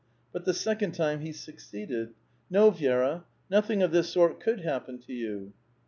But the second time he succeeded. " No, Vi^ra, nothing of this sort could happen to you."